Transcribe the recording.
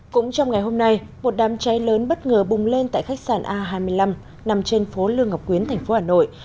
cũng trong ngày hôm nay một đám cháy lớn bất ngờ bùng lên tại khách sạn a hai mươi năm nằm trên phố lương ngọc quyến thành phố hà nội